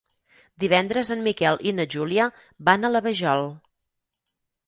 Divendres en Miquel i na Júlia van a la Vajol.